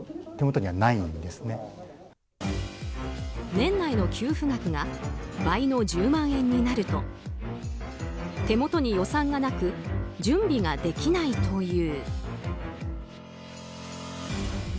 年内の給付額が倍の１０万円になると手元に予算がなく準備ができないという。